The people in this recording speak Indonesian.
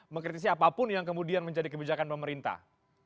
mengkritisi apapun yang kemudian menjadi kebijakan pemerintah